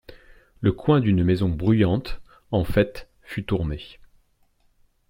Le coin d'une maison bruyante, en fête, fut tourné.